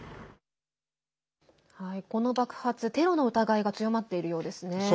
この爆発、テロの疑いが強まっているようですね。